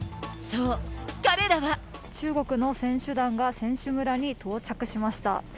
そう、彼らは。中国の選手団が選手村に到着しました。